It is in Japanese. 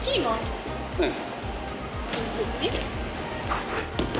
うん。